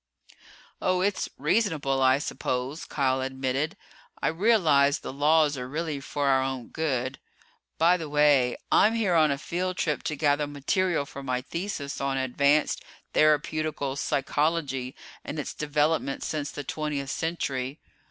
"Oh, it's reasonable, I suppose," Kial admitted. "I realize the Laws are really for our own good. By the way I'm here on a field trip to gather material for my thesis on Advanced Therapeutical Psychology and its development since the Twentieth Century.